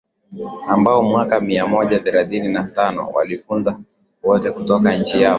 ambao mwaka mia moja thelathini na tano waliwafukuza wote kutoka nchi yao